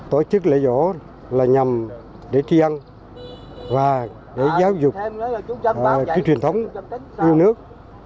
tổ chức lễ võ là nhằm để tri ân và để giáo dục truyền thống ưu nước